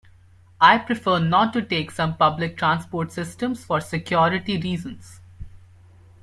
I prefer not to take some public transport systems for security reasons.